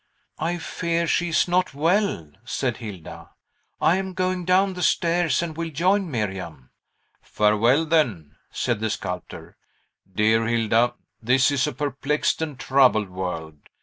"I fear she is not well," said Hilda. "I am going down the stairs, and will join Miriam." "Farewell, then," said the sculptor. "Dear Hilda, this is a perplexed and troubled world!